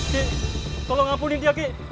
ki tolong ampuni dia ki